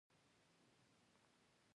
د سوداګرۍ اخلاق شته؟